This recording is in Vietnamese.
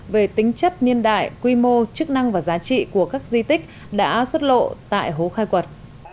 về tính chất niên đại quy mô chức năng và giá trị của các di tích đã xuất lộ tại hố khai quật